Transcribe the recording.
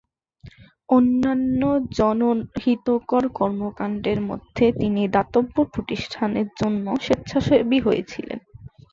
অন্যান্য জনহিতকর কর্মকাণ্ডের মধ্যে তিনি দাতব্য প্রতিষ্ঠানের জন্য স্বেচ্ছাসেবী হয়েছিলেন।